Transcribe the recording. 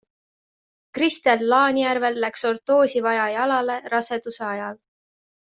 Kristel Laanjärvel läks ortoosi vaja jalale raseduse ajal.